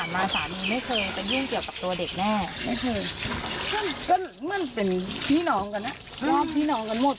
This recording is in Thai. ไม่เคยก็มันเป็นพี่น้องกันน่ะรอบพี่น้องกันหมด